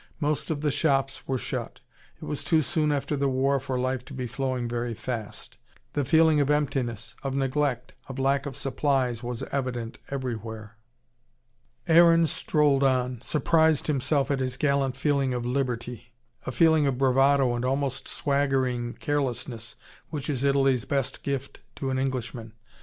Most of the shops were shut. It was too soon after the war for life to be flowing very fast. The feeling of emptiness, of neglect, of lack of supplies was evident everywhere. Aaron strolled on, surprised himself at his gallant feeling of liberty: a feeling of bravado and almost swaggering carelessness which is Italy's best gift to an Englishman.